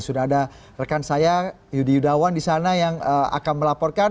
sudah ada rekan saya yudi yudawan di sana yang akan melaporkan